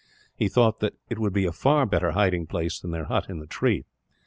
He thought that it would be a far better hiding place than their hut in the tree.